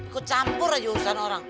kucampur lah jurusan orang